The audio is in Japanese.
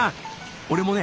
俺もね